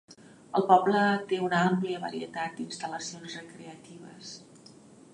El poble té una àmplia varietat d'instal·lacions recreatives.